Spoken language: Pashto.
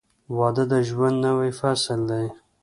• واده د ژوند نوی فصل دی.